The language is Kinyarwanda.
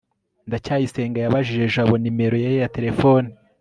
ndacyayisenga yabajije jabo nimero ye ya terefone